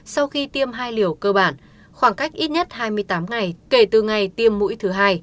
sau khi tiêm hai liều cơ bản khoảng cách ít nhất hai mươi tám ngày kể từ ngày tiêm mũi thứ hai